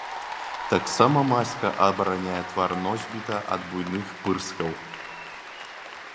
Таксама маска абараняе твар носьбіта ад буйных пырскаў.